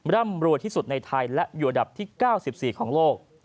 ร่ำรวยที่สุดในไทยและอยู่อันดับที่๙๔ของโลก